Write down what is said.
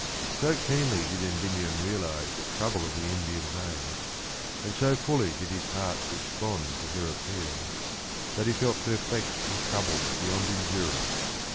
So keenly did Endymion realise the trouble of the Indian maid, and so fully did his heart respond to her appeal, that he felt perplexed and troubled beyond endurance.